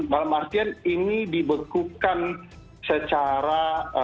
dalam artian ini dibekukan secara